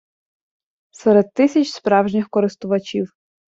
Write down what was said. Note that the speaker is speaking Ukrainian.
серед тисяч справжніх користувачів